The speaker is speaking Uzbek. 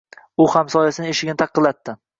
U hamsoyasining eshigini taqillatdi.